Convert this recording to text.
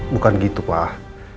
bukan gitu pak